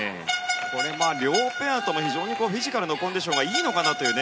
両ペアとも、非常にフィジカルのコンディションがいいのかなという。